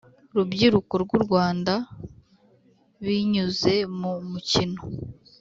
rubyiruko rw u Rwanda binyuze mu mukino